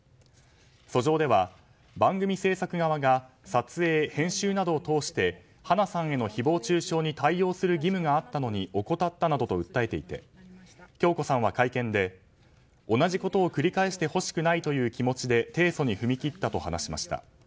訴状では番組制作側が撮影・編集などを通して花さんへの誹謗中傷に対応する義務があったのに怠ったなどと訴えていて響子さんは会見で同じことを繰り返してほしくないという気持ちで提訴に踏み切ったと話しました。